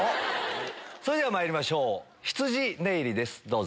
それではまいりましょうひつじねいりですどうぞ。